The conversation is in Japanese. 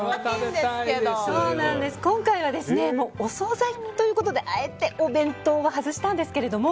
今回はお総菜ということであえてお弁当は外したんですけど